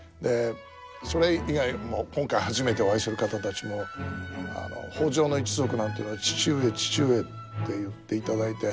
それ以外も今回初めてお会いする方たちも北条の一族なんていうのは「父上父上」って言っていただいて。